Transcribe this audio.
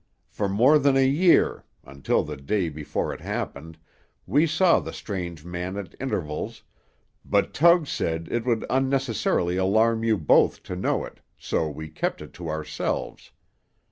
For more than a year, until the day before it happened we saw the strange man at intervals, but Tug said it would unnecessarily alarm you both to know it, so we kept it to ourselves.